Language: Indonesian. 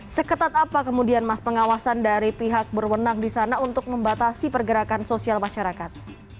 seketat apa kemudian mas pengawasan dari pihak berwenang di sana untuk membatasi pergerakan sosial masyarakat